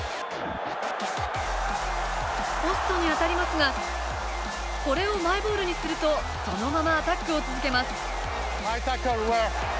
ポストに当たりますがこれをマイボールにするとそのままアタックを続けます。